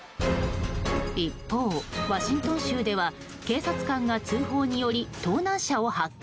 一方、ワシントン州では警察官が通報により盗難車を発見。